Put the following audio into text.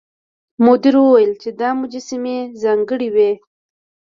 مدیر وویل چې دا مجسمې ځانګړې وې.